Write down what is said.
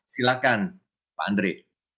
silakan pak andri